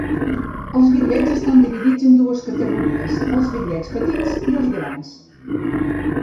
Els bitllets estan dividits en dues categories: els bitllets petits i els grans.